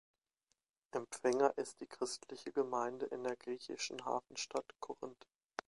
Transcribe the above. Empfänger ist die christliche Gemeinde in der griechischen Hafenstadt Korinth.